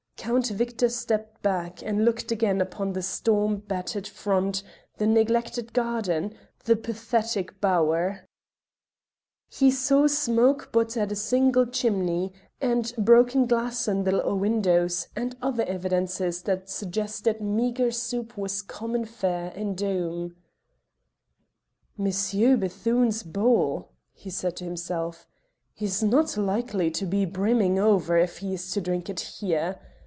Count Victor stepped back and looked again upon the storm battered front, the neglected garden, the pathetic bower. He saw smoke but at a single chimney, and broken glass in the little windows, and other evidences that suggested meagre soup was common fare in Doom. "M. Bethune's bowl," he said to himself, "is not likely to be brimming over if he is to drink it here.